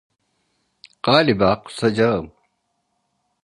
Galiba kusacağım.